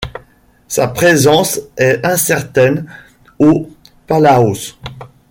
Sa présence est incertaine aux Palaos.